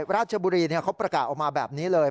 ใช่ราชบุรีเนี่ยเค้าประกาศออกมาแบบนี้เลย